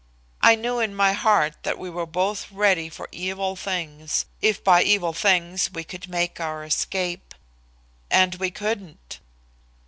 I knew in my heart that we were both ready for evil things, if by evil things we could make our escape. And we couldn't.